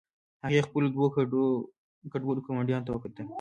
هغې خپلو دوو ګډوډو ګاونډیانو ته وکتل